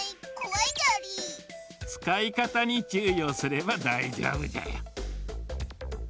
つかいかたにちゅういをすればだいじょうぶじゃよ。